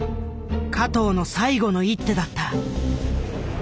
加藤の最後の一手だった。